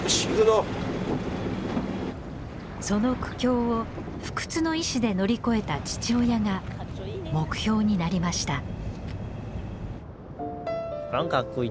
その苦境を不屈の意志で乗り越えた父親が目標になりました。